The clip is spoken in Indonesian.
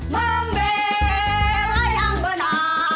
membela yang benar